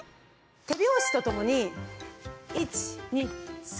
手拍子とともに１２３！